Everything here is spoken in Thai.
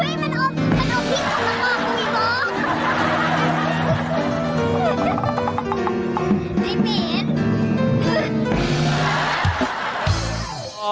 อุ๊ยมันเอาพริกออกมามองกูอีกแล้ว